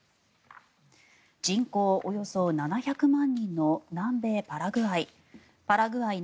人口およそ７００万人の南米パラグアイ。